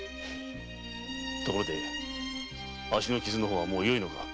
ところで足の傷はもうよいのか？